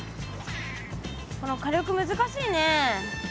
この火力難しいね。